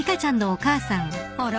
あら？